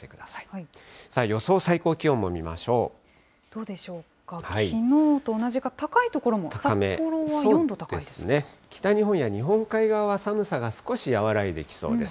どうでしょうか、きのうと同じか高い所も、札幌は４度高いで北日本や日本海側は寒さが少し和らいできそうです。